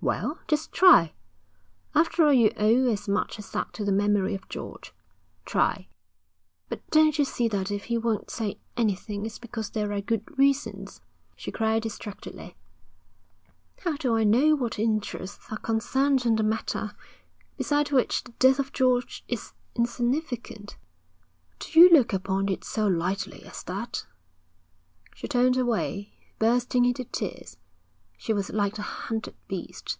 'Well, just try. After all you owe as much as that to the memory of George. Try.' 'But don't you see that if he won't say anything, it's because there are good reasons,' she cried distractedly. 'How do I know what interests are concerned in the matter, beside which the death of George is insignificant....' 'Do you look upon it so lightly as that?' She turned away, bursting into tears. She was like a hunted beast.